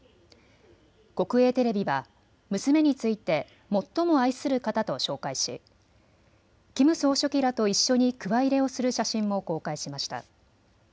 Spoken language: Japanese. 国営テレビは娘について最も愛する方と紹介しキム総書記らと一緒にくわ入れをする写真も公開しました。